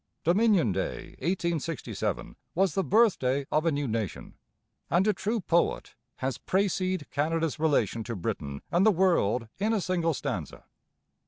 Dominion Day 1867 was the birthday of a new nation, and a true poet has precised Canada's relation to Britain and the world in a single stanza.